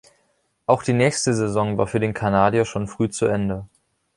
Auch die nächste Saison war für den Kanadier schon früh zu Ende.